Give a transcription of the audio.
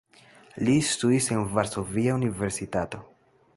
Li studis en Varsovia Universitato.